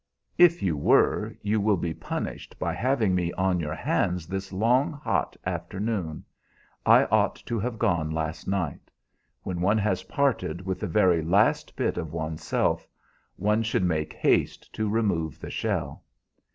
"If you were, you will be punished by having me on your hands this long, hot afternoon. I ought to have gone last night. When one has parted with the very last bit of one's self, one should make haste to remove the shell."